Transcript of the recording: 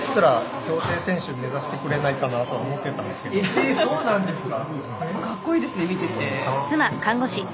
ええそうなんですか？